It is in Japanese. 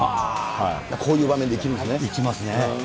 こういう場面で生きるんですね。